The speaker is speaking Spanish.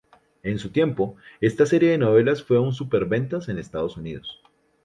En su tiempo esta serie de novelas fue un "superventas" en Estados Unidos.